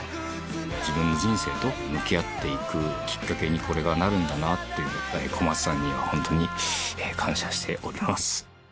自分の人生と向き合っていくきっかけに、これがなるんだなっていう、やっぱり小松さんには本当に感謝しております。